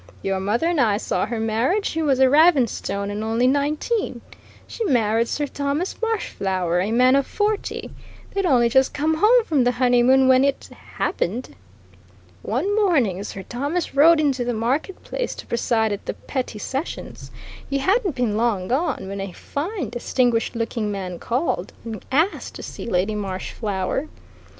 Your mother and I saw her married she was a Ravenstone, and only nineteen. She married Sir Thomas Marshflower, a man of forty. They'd only just come home from the honeymoon when it happened. One morning Sir Thomas rode into the market town to preside at the petty sessions he hadn't been long gone when a fine, distinguished looking man called, and asked to see Lady Marshflower.